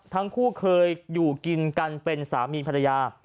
ทั้งคู่เคยอยู่กินกันเป็นสามีภรรยา